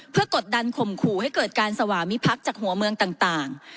เพื่อกดดันข่มขู่ให้เกิดการสวามิพักษ์จากหัวเมืองต่าง